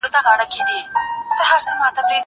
زه مخکي مځکي ته کتلې وې!